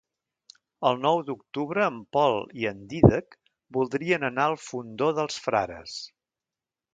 El nou d'octubre en Pol i en Dídac voldrien anar al Fondó dels Frares.